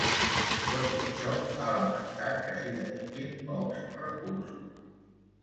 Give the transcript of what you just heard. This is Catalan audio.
Tot i això, ha lamentat que s’hi dediquin pocs recursos.